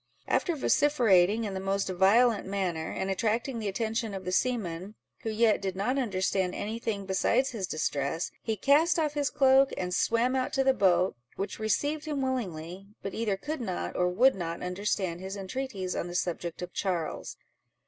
After vociferating in the most violent manner, and attracting the attention of the seamen, who yet did not understand any thing besides his distress, he cast off his cloak, and swam out to the boat, which received him willingly, but either could not, or would not understand his entreaties on the subject of Charles.